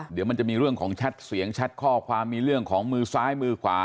เดี๋ยวมันจะมีเรื่องของแชทเสียงแชทข้อความมีเรื่องของมือซ้ายมือขวา